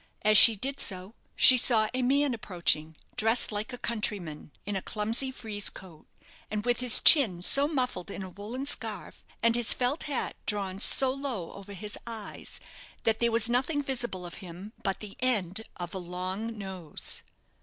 As she did so, she saw a man approaching, dressed like a countryman, in a clumsy frieze coat, and with his chin so muffled in a woollen scarf, and his felt hat drawn so low over his eyes, that there was nothing visible of him but the end of a long nose.